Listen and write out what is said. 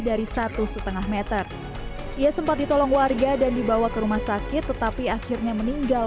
dari satu setengah meter ia sempat ditolong warga dan dibawa ke rumah sakit tetapi akhirnya meninggal